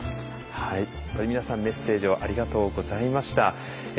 本当に皆さんメッセージをありがとうございました。